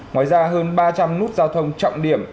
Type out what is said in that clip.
ngoài ra hơn ba trăm linh nút giao thông trọng điểm